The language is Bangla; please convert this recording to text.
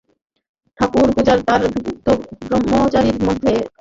ঠাকুরপূজার ভার উক্ত ব্রহ্মচারীদের মধ্যে একজনকে দিবে এবং মধ্যে মধ্যে বদলাইয়া দিবে।